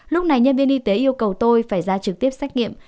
lúc này nhân viên y tế yêu cầu tôi phải ra trực tiếp xét nghiệm